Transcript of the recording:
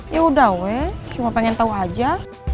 yaudah weh cuma pengen tahu aja